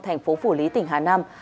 thành phố phủ lý tỉnh hà nam